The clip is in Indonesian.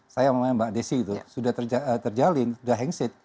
saya sama mbak desy itu sudah terjalin sudah hang set